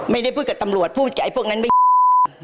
ไม่ได้พูดกับตำรวจพูดกับไอ้พวกนั้นไม่